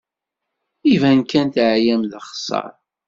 Iban kan teɛyam d axeṣṣar.